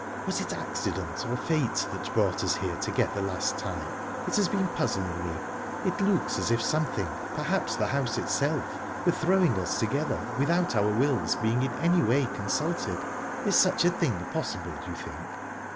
"Was it accident, or fate, that brought us here together last time? It has been puzzling me. It looks as if something perhaps the house itself were throwing us together, without our wills being in any way consulted...Is such a thing possible, do you think?"